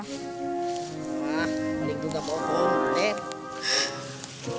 nah menik juga bohong